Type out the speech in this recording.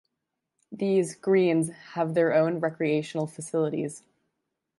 These "Greens" have their own recreational facilities.